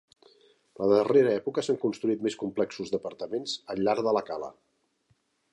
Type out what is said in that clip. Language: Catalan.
La darrera època s'han construït més complexos d'apartaments al llarg de la cala.